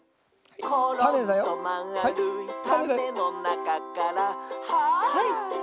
「ころんとまあるいたねのなかから」「ハイ！」